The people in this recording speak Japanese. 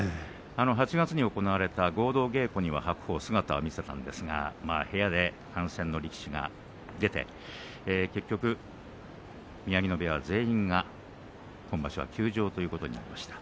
８月の合同稽古で白鵬は姿は見せたんですが部屋で感染の力士が出て結局、宮城野部屋全員が今場所休場ということになりました。